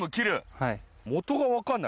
はい。